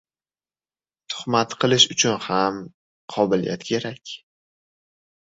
• Tuhmat qilish uchun ham qobiliyat kerak.